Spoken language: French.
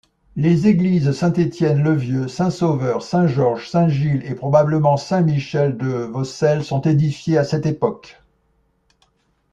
Les églises Saint-Étienne-le-Vieux, Saint-Sauveur, Saint-Georges, Saint-Gilles et probablement Saint-Michel-de-Vaucelles sont édifiées à cette époque.